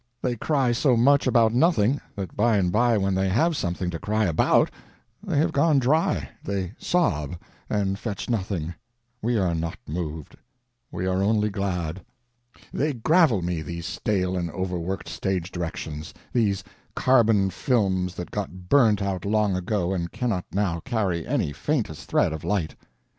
They cry so much about nothing that by and by when they have something to cry ABOUT they have gone dry; they sob, and fetch nothing; we are not moved. We are only glad.) They gravel me, these stale and overworked stage directions, these carbon films that got burnt out long ago and cannot now carry any faintest thread of light.